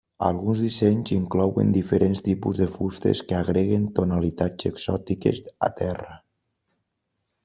Alguns dissenys inclouen diferents tipus de fustes que agreguen tonalitats exòtiques a terra.